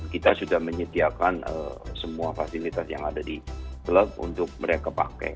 kita sudah menyediakan semua fasilitas yang ada di klub untuk mereka pakai